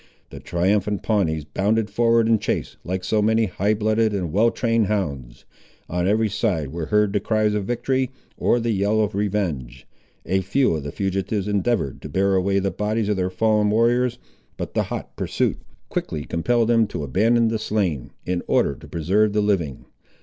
The triumphant Pawnees bounded forward in chase, like so many high blooded and well trained hounds. On every side were heard the cries of victory, or the yell of revenge. A few of the fugitives endeavoured to bear away the bodies of their fallen warriors, but the hot pursuit quickly compelled them to abandon the slain, in order to preserve the living.